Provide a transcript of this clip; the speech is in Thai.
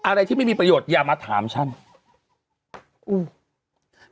อะไรที่ไม่มีประโยชนอย่ามาถามฉันอืม